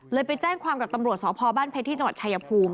ไปแจ้งความกับตำรวจสพบ้านเพชรที่จังหวัดชายภูมิ